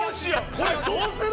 これどうする？